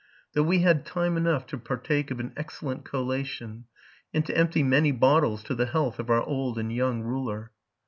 that we had time enough to partake of an excellent collation, and to empty many bottles to the health of our old and young ruler.